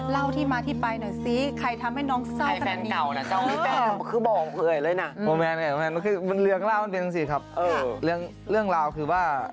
เรื่องราวคือว่า